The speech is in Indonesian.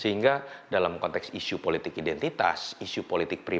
sehingga dalam konteks isu politik identitas isu politik